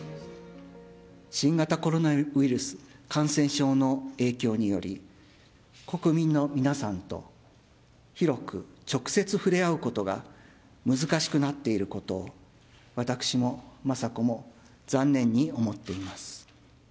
新型コロナウイルス感染症の影響により、国民の皆さんと広く、直接触れ合うことが難しくなっていること、私も雅子も残念に思っています。